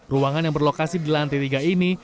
ruangan yang berlokasi di lantai tiga ini